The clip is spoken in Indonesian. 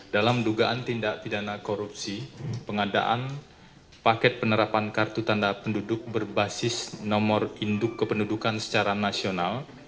dalam dugaan tindak pidana korupsi pengadaan paket penerapan kartu tanda penduduk berbasis nomor induk kependudukan secara nasional